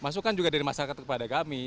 masukan juga dari masyarakat kepada kami